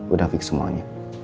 udah fix semuanya